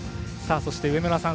そして、上村さん